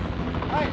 はい。